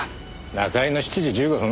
中居の７時１５分？